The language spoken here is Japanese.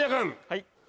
はい。